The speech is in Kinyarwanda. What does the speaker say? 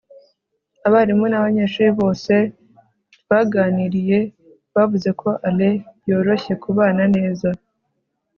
abarimu nabanyeshuri bose twaganiriye bavuze ko alain yoroshye kubana neza